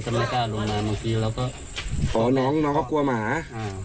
ไม่กล้าลงมาบางทีเราก็อ๋อน้องน้องเขากลัวหมาอ่า